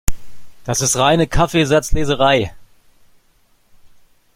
Das ist reine Kaffeesatzleserei.